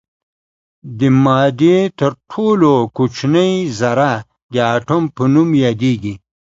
د مادې تر ټولو کوچنۍ ذره د اتوم په نوم یادیږي.